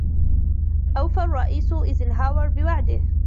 أوفى الرئيس أيزنهاور بوعده.